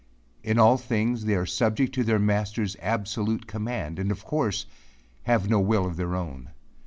In all things they are subject to their master's absolute command, and, of course, have no will of their own.